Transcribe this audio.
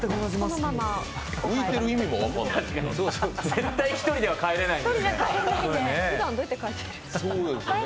絶対１人では帰れない。